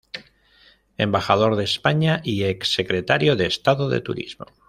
Embajador de España, y ex-secretario de Estado de Turismo.